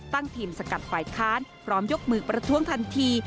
ตั้งทีมสกัดฝ่ายค้านพร้อมยกมือประท้วงทันที